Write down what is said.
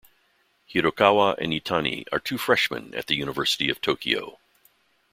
Hirokawa and Itani are two freshmen at the University of Tokyo.